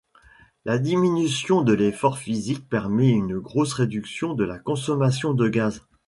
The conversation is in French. La diminution de l'effort physique permet une grosse réduction de la consommation de gaz.